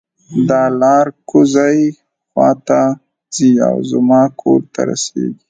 دا لار کوزۍ خوا ته ځي او زما کور ته رسیږي